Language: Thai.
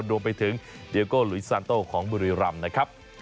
รวมไปถึงเดียโกหลุยซานโต้ของบุรีรำนะครับ